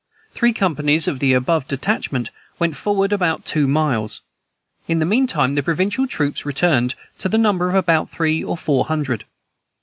Three companies of the above detachment went forward about two miles. In the meantime, the provincial troops returned, to the number of about three or four hundred.